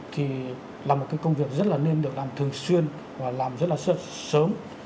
thì là một cái công việc rất là nên được làm thường xuyên và làm rất là sớm